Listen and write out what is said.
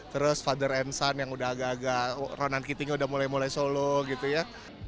terus father and sun yang udah agak agak ronankeetingnya udah mulai mulai solo gitu ya